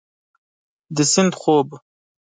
د سیند خوب